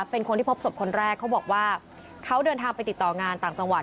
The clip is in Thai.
เป็นคนที่พบศพคนแรกเขาบอกว่าเขาเดินทางไปติดต่องานต่างจังหวัด